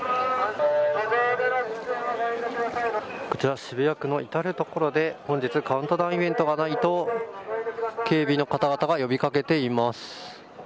こちら渋谷区の至る所で本日カウントダウンイベントがないと警備の方々が呼び掛けています。